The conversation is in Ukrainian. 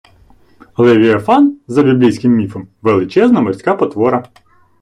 Левіафан - за біблійним міфом, величезна морська потвора